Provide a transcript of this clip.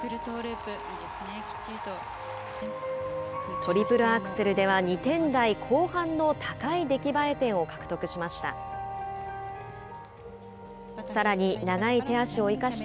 トリプルアクセルでは２点台後半の高い出来栄え点を獲得しました。